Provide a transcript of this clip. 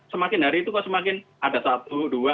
semakin hari itu kok semakin ada satu dua